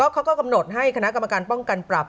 เขาก็กำหนดให้คณะกรรมการป้องกันปรับ